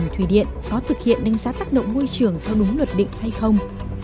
thủy điện có thực hiện đánh giá tác động môi trường theo đúng luật định hay không